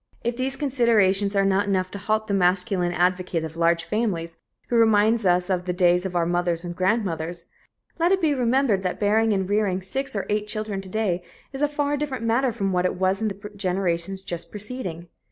If these considerations are not enough to halt the masculine advocate of large families who reminds us of the days of our mothers and grandmothers, let it be remembered that bearing and rearing six or eight children to day is a far different matter from what it was in the generations just preceding.